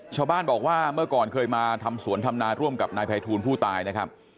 ชาวบ้านบอกว่าเมื่อก่อนเคยมาทำสวนทำนาร่วมกับนายภัยทูลผู้ตายนะครับ